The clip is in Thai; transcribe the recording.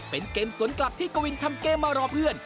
เป็นเกมสวนกลับที่กวินทำเกมมารอเพื่อน